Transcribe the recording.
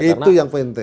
itu yang penting